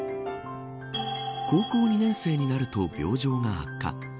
高校２年生になると病状が悪化。